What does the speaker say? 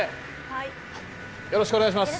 よろしくお願いします。